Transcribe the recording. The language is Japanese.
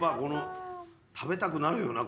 食べたくなるよな